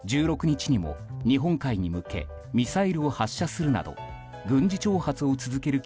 １６日にも日本海に向けミサイルを発射するなど軍事挑発を続ける